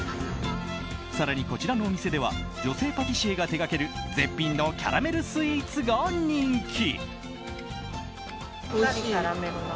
更に、こちらのお店では女性パティシエが手掛ける絶品のキャラメルスイーツが人気。